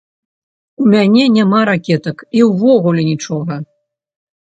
У мяне няма ракетак і ўвогуле нічога.